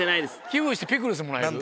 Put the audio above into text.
寄付してピクルスもらえる？